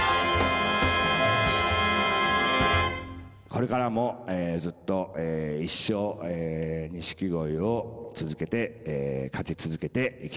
これからもずっと一生錦鯉を続けて勝ち続けていきたいと思います。